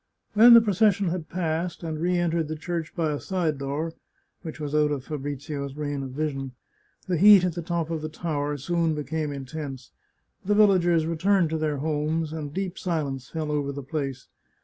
When the procession had passed, and re entered the church by a side door, which was out of Fabrizio's range of vision, the heat at the top of the tower soon became in tense. The villagers returned to their homes, and deep silence fell over the place.